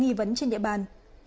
nghi vấn trên địa bàn